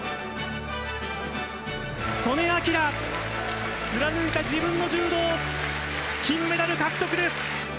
素根輝、貫いた自分の柔道、金メダル獲得です。